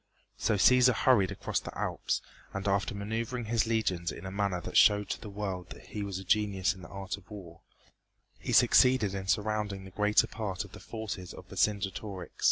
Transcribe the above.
So Cæsar hurried across the Alps and after maneuvering his legions in a manner that showed to the world he was a genius in the art of war, he succeeded in surrounding the greater part of the forces of Vercingetorix.